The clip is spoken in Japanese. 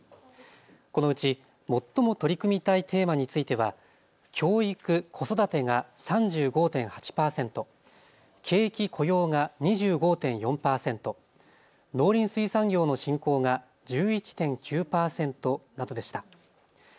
このうち最も取り組みたいテーマについては教育・子育てが３５．８％、景気・雇用が２５．４％、農林水産業の振興が１１．９％などでした。